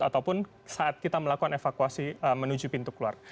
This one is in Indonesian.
ataupun saat kita melakukan evakuasi menuju pintu keluar